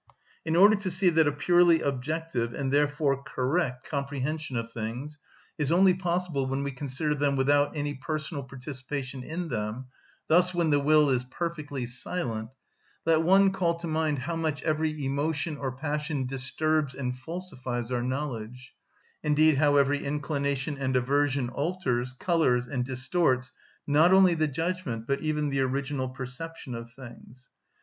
In order to see that a purely objective, and therefore correct, comprehension of things is only possible when we consider them without any personal participation in them, thus when the will is perfectly silent, let one call to mind how much every emotion or passion disturbs and falsifies our knowledge, indeed how every inclination and aversion alters, colours, and distorts not only the judgment, but even the original perception of things.